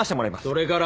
それから？